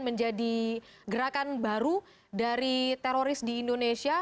menjadi gerakan baru dari teroris di indonesia